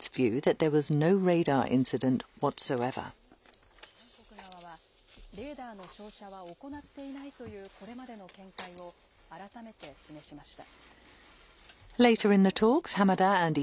これに対し、韓国側は、レーダーの照射は行っていないというこれまでの見解を、改めて示しました。